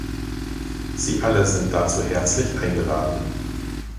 Sie alle sind dazu herzlich eingeladen.